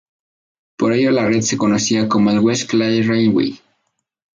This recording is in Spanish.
Por ello la red se conocía como el West Clare Railway.